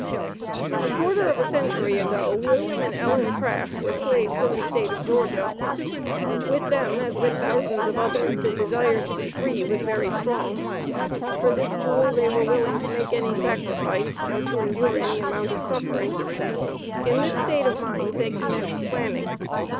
A quarter of a century ago, William and Ellen Craft were slaves in the State of Georgia. With them, as with thousands of others, the desire to be free was very strong. For this jewel they were willing to make any sacrifice, or to endure any amount of suffering. In this state of mind they commenced planning.